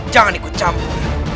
jangan ikut camu